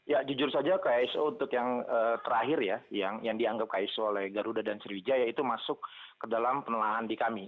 ya jujur saja kso untuk yang terakhir ya yang dianggap kso oleh garuda dan sriwijaya itu masuk ke dalam penelahan di kami